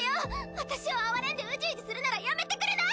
私を哀れんでウジウジするならやめてくれない！？